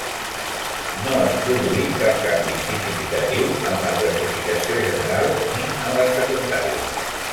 No es produí cap canvi significatiu en la classificació general ni en les secundàries.